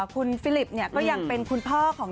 คุณฟิลิปเป็นคุณพ่อของ